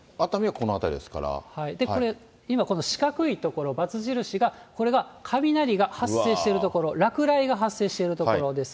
これ、今この四角い所、バツ印が、これが雷が発生している所、落雷が発生している所です。